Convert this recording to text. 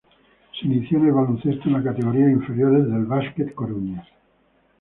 Se inició en el baloncesto en las categorías inferiores del Básquet Coruña.